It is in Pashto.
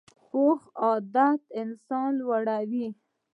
پوخ عادت انسان لوړوي